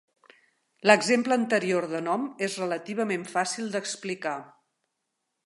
L'exemple anterior de nom és relativament fàcil d'explicar.